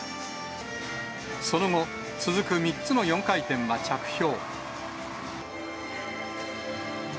その後、続く３つの４回転は着氷。